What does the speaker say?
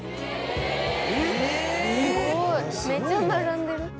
えっすごいめっちゃ並んでる。